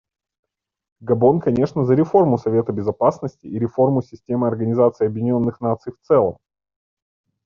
Габон, кончено, за реформу Совета Безопасности и реформу системы Организации Объединенных Наций в целом.